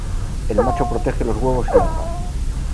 El macho protege los huevos y larvas.